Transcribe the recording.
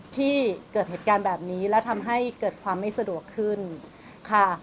ที่เกิดเหตุการณ์แบบนี้แล้วทำให้เกิดความไม่สะดวกขึ้นค่ะ